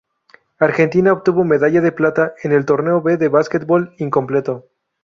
Argentina obtuvo medalla de plata en el torneo B de básquetbol incompleto.